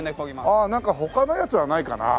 あなんか他のやつはないかな？